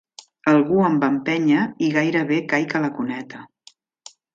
Algú em va empènyer i gairebé caic a la cuneta.